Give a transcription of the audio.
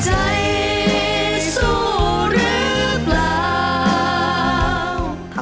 ใจสู้หรือเปล่า